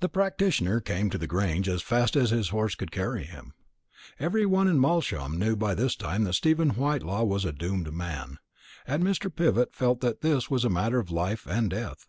The practitioner came to the Grange as fast as his horse could carry him. Every one in Malsham knew by this time that Stephen Whitelaw was a doomed man; and Mr. Pivott felt that this was a matter of life and death.